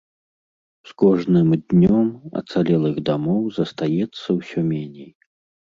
З кожным днём ацалелых дамоў застаецца ўсё меней.